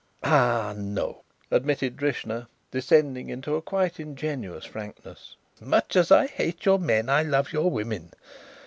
"Ah, no," admitted Drishna, descending into a quite ingenuous frankness. "Much as I hate your men I love your women.